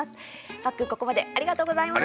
パックン、ここまでありがとうございました。